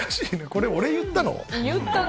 これ、俺言ったの？